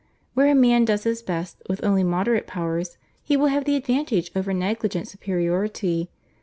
Where a man does his best with only moderate powers, he will have the advantage over negligent superiority.